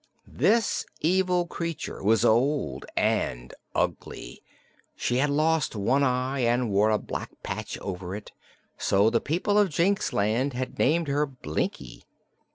This evil creature was old and ugly. She had lost one eye and wore a black patch over it, so the people of Jinxland had named her "Blinkie."